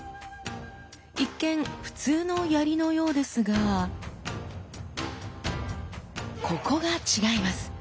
一見普通の槍のようですがここが違います！